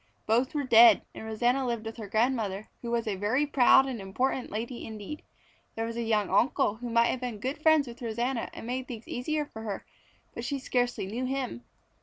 Both were dead, and Rosanna lived with her grandmother, who was a very proud and important lady indeed. There was a young uncle who might have been good friends with Rosanna and made things easier but she scarcely knew him.